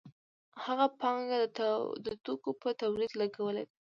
هغه پانګه د توکو په تولید لګولې ده